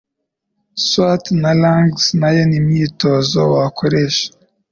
squat na lunges nayo nimyitozo wakoresha